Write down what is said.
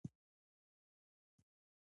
د افغانستان طبیعت له دغو ښارونو جوړ شوی دی.